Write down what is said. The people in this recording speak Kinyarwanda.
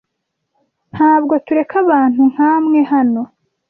Ntabwo tureka abantu nkamwe hano.